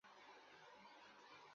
এ পাশ-ও পাশ করিতে করিতে ঘুমাইয়া পড়িল।